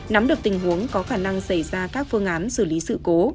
nắm được tình huống có khả năng xảy ra các phương án xử lý sự cố